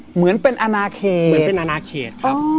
เหมือนเป็นอนาเคต